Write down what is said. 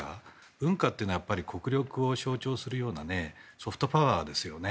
文化というのはやっぱり国力を象徴するようなソフトパワーですよね。